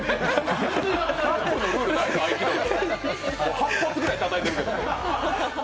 ８発ぐらいたたいてるけど。